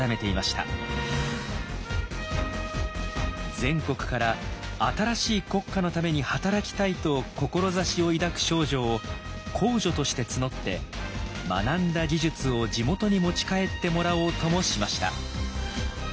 全国から新しい国家のために働きたいと志を抱く少女を「工女」として募って学んだ技術を地元に持ち帰ってもらおうともしました。